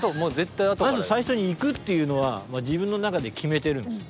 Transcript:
まず最初に行くっていうのは自分の中で決めてるんですよ。